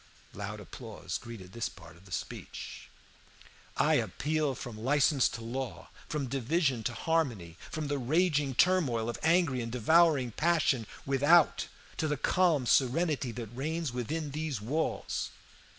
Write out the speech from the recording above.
Loud applause greeted this part of the speech. "I appeal from license to law, from division to harmony, from the raging turmoil of angry and devouring passion without to the calm serenity that reigns within these walls.